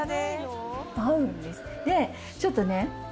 でちょっとね。